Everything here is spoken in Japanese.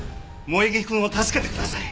萌衣くんを助けてください！